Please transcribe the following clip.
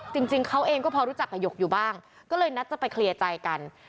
จริงเขาเองก็พอรู้จักกับหยกอยู่บ้างก็เลยนัดจะไปเคลียร์ใจกัน